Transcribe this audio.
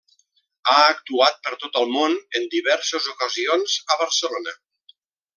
Ha actuat per tot el món, en diverses ocasions a Barcelona.